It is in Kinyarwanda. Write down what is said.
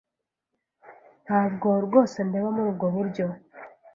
Ntabwo rwose ndeba muri ubwo buryo.